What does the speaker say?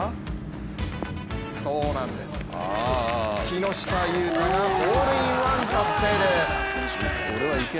そうなんです、木下裕太がホールインワン達成です。